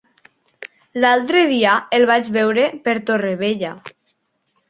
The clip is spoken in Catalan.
L'altre dia el vaig veure per Torrevella.